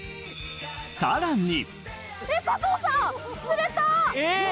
さらに。